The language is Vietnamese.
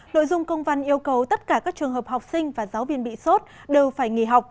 nội dung công văn yêu cầu tất cả các trường hợp học sinh và giáo viên bị sốt đều phải nghỉ học